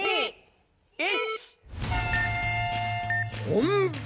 本番！